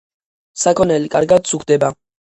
საქონელი კარგად სუქდება.